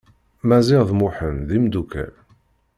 Maziɣ d Muḥend d imdukkal.